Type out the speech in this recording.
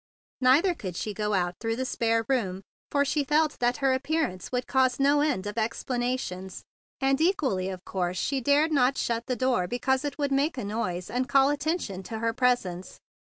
Neither could she go out through the spare bedroom, for she felt that her appearance would cause no end of explanations; and equally of course she dared not shut the door because it would make a noise and call attention to her presence.